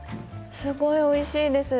すごくおいしいです。